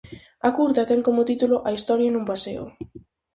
A curta ten como título "A historia nun paseo".